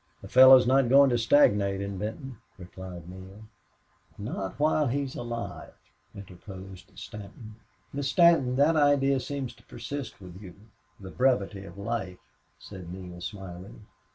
"A fellow's not going to stagnate in Benton," replied Neale. "Not while he's alive," interposed Stanton. "Miss Stanton, that idea seems to persist with you the brevity of life," said Neale, smiling.